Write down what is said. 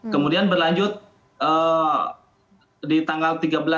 kemudian berlanjut di tanggal tiga belas